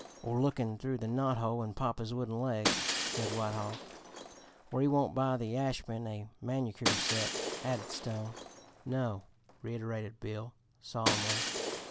"Or 'Lookin' Through the Knot Hole in Papa's Wooden Leg,'" said Whitehall. "Or 'He Won't Buy the Ashman a Manicure Set,'" added Stone. "No," reiterated Bill solemnly.